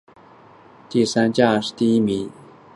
殿试登进士第三甲第一名。